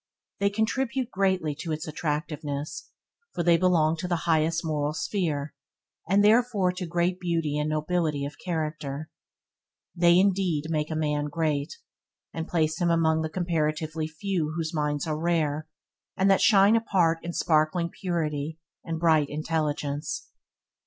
They contribute greatly to its attractiveness, for they belong to the highest moral sphere, and therefore to great beauty and nobility of character. They, indeed, make a man great, and place him among the comparatively few whose minds are rare, and that shine apart in sparkling purity and bright intelligence.